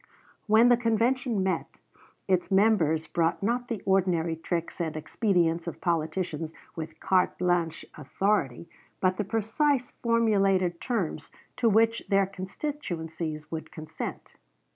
When the convention met, its members brought not the ordinary tricks and expedients of politicians with carte blanche authority, but the precise formulated terms to which their constituencies would consent.